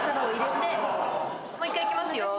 もう一回いきますよ。